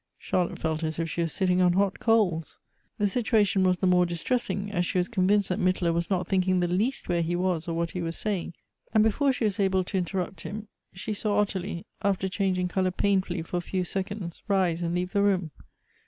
'" Charlotte felt as if she was sitting on hot coals. The situation was the more distressing, as she was convinced that Mittlcr was not thinking the least where lie was or what he was saying: and before she was able to interrujit him, she saw Ottilie, after changing color painfully for a few seconds, rise and leave the room.